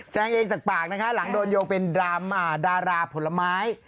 แจ้งเองจากปากนะคะหลังโดนโยงเป็นดาราผลไม้